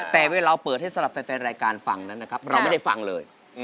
แต่เวลาเปิดให้สนับแฟนรายการฟังเราไม่ได้ฟังเลย